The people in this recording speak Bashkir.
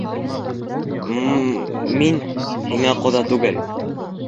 — М-м-м-мин һиңә ҡоҙа түгел.